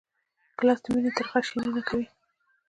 ګیلاس د مینې ترخه شیرین کوي.